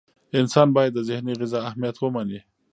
انسان باید د ذهني غذا اهمیت ومني.